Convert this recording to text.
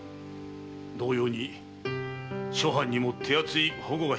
同様に諸藩も手厚い保護が必要だ。